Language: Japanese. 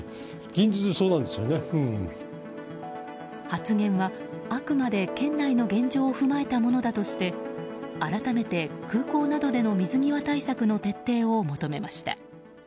発言は、あくまで県内の現状を踏まえたものだとして改めて空港などでの水際対策の徹底を求めました。